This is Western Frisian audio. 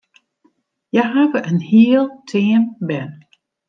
Hja hawwe in hiel team bern.